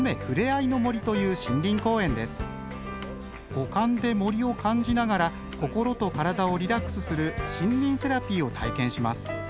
五感で森を感じながら心と体をリラックスする森林セラピーを体験します。